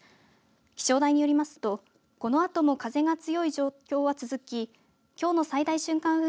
気象台によりますとこのあとも風が強い状況は続ききょうの最大瞬間